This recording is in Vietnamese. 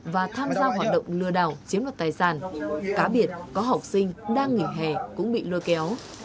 và tham gia hoạt động lừa đảo chiếm đoạt tài sản cá biệt có học sinh đang nghỉ hè cũng bị lôi kéo